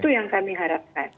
itu yang kami harapkan